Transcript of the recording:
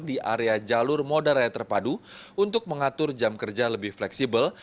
di area jalur moda raya terpadu untuk mengatur jam kerja lebih fleksibel